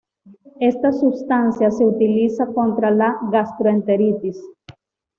Esta substancia se utiliza contra la gastroenteritis.